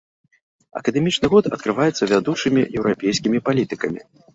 Акадэмічны год адкрываецца вядучымі еўрапейскімі палітыкамі.